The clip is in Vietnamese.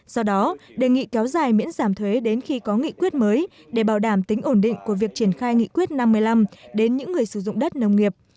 do đó đề nghị kéo dài miễn giảm thuế đến khi có nghị quyết mới để bảo đảm tính ổn định của việc triển khai nghị quyết năm mươi năm đến những người sử dụng đất nông nghiệp